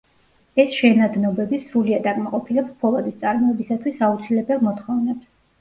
ეს შენადნობები სრულად აკმაყოფილებს ფოლადის წარმოებისათვის აუცილებელ მოთხოვნებს.